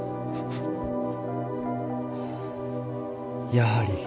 やはり。